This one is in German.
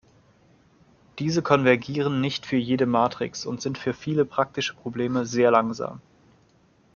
Diese konvergieren nicht für jede Matrix und sind für viele praktische Probleme sehr langsam.